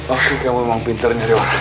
oke kamu emang pintar nyari orang